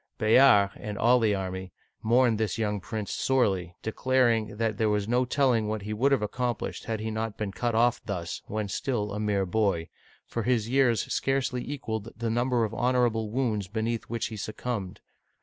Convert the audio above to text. Bayard, and all the army, mourned this young prince sorely, declaring that there was no telling what he would have accomplished had he not been cut off thus when still a mere boy, for his years scarcely equaled the number of honorable wounds beneath which he suc cumbed.